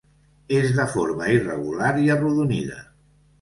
És de forma irregular i arrodonida.